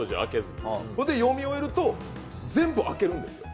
それで読み終えると全部開けるんですよ。